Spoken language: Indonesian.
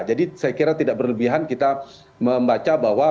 jadi saya kira tidak berlebihan kita membaca bahwa